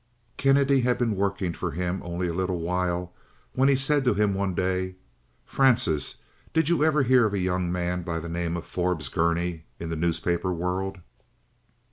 Kennedy had been working for him only a little while when he said to him one day: "Francis, did you ever hear of a young man by the name of Forbes Gurney in the newspaper world?"